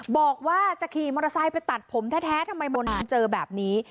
บอกว่าจะขี่มอเตอร์ไซค์ไปตัดผมแท้ทำไมมนต์ถึงเจอแบบนี้